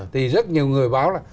thì rất nhiều người báo là